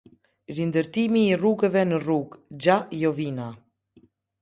Rindërtimi i rrugëve në rrugë. xha jovina